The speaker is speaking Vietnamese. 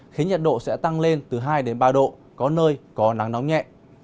khiến nhiệt độ sẽ tăng lên từ hai ba độ có nơi có nắng nóng nhẹ